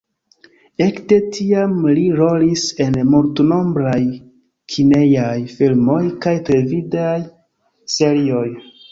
Ekde tiam li rolis en multnombraj kinejaj filmoj kaj televidaj serioj.